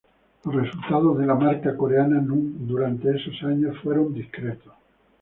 Los resultados de la marca Coreana durante esos años fueron discretos.